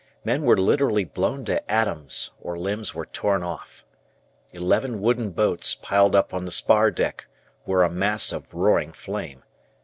Men were literally blown to atoms, or limbs were torn off. Eleven wooden boats piled up on the spar deck were a mass of roaring flame.